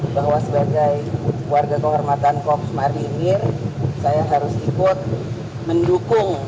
bahwa sebagai warga kehormatan korps marinir saya harus ikut mendukung